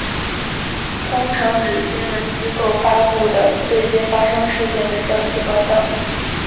通常指新闻机构发布的最近发生事件的消息报道。